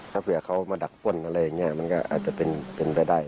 ถ้าเผื่อเขามาดักป้นอะไรอย่างนี้มันก็อาจจะเป็นไปได้